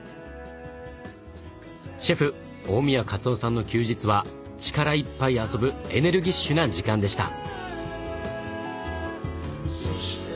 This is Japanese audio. シェフ大宮勝雄さんの休日は力いっぱい遊ぶエネルギッシュな時間でした。